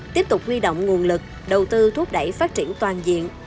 tiếp tục huy động nguồn lực đầu tư thúc đẩy phát triển toàn diện